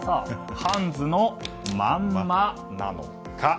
ハンズのまんまなのか。